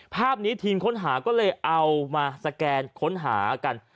ภาพนี้ทีมค้นหาก็เลยเอามาสแกนค้นหากัน